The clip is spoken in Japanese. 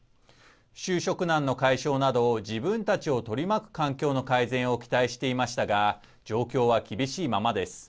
就職難の解消など自分たちを取り巻く環境の改善を期待していましたが状況は厳しいままです。